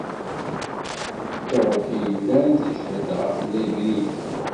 Tterk i yellan teǧhed ɣef Legrig.